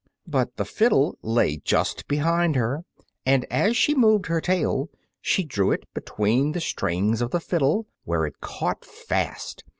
But the fiddle lay just behind her, and as she moved her tail, she drew it between the strings of the fiddle, where it caught fast.